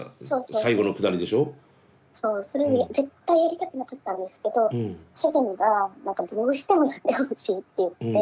それを絶対やりたくなかったんですけど主人が何か「どうしてもやってほしい」って言って。